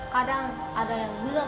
kadang ada yang gerak dia